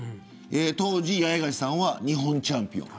当時、八重樫さんは日本チャンピオン。